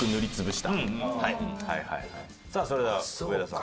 さあそれでは上田さん。